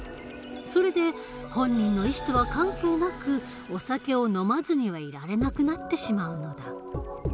それで本人の意思とは関係なくお酒を飲まずにはいられなくなってしまうのだ。